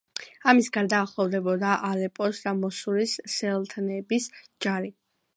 ამის გარდა ახლოვდებოდა ალეპოს და მოსულის სულთნების ჯარი.